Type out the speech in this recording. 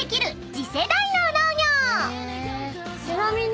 ちなみに。